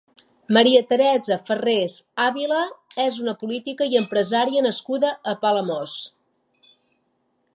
Maria Teresa Ferrés Àvila és una política i empresària nascuda a Palamós.